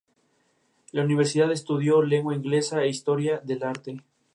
El concepto es particularmente importante para la recuperación de los sistemas de archivos dañados.